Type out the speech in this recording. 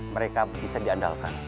mereka bisa diandalkan